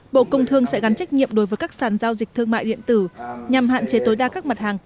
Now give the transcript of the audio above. bộ sẽ phối hợp với các bộ thông tin truyền thông